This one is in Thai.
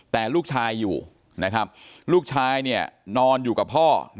แต่ลูกชายอยู่นะครับลูกชายนอนอยู่กับพ่อ